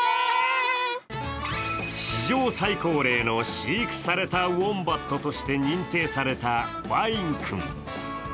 「史上最高齢の飼育されたウォンバット」として認定されたワイン君。